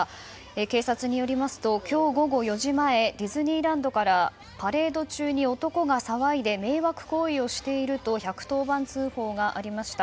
警察によりますと今日午後４時前ディズニーランドからパレード中に男が騒いで迷惑行為をしていると１１０番通報がありました。